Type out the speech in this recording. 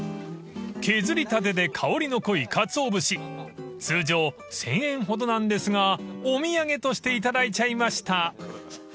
［削りたてで香りの濃いかつお節通常１，０００円ほどなんですがお土産として頂いちゃいました］